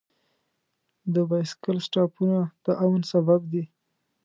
د بایسکل سټاپونه د امن سبب دی.